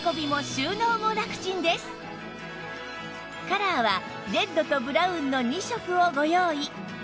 カラーはレッドとブラウンの２色をご用意